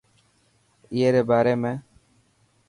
اي ري باري ۾.